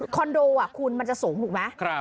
โดคุณมันจะสูงถูกไหม